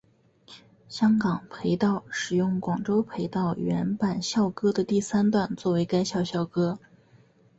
香港培道使用广州培道原版校歌的第三段作为该校校歌。